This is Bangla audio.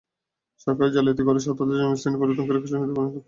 সরকার জালিয়াতি করে সাঁওতালদের জমির শ্রেণি পরিবর্তন করে খাসজমিতে পরিণত করেছে।